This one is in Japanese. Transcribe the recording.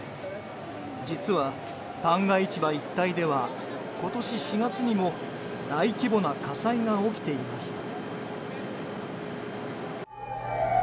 実は、旦過市場一帯では今年４月にも大規模な火災が起きていました。